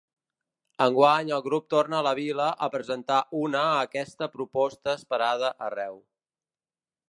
Enguany el grup torna a la vila a presentar una aquesta proposta esperada arreu.